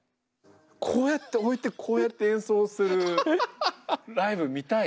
こうやって置いてこうやって演奏するライブ見たい。